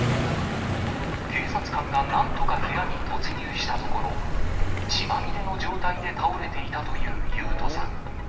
警察官がなんとか部屋に突入したところ、血まみれの状態で倒れていたという勇人さん。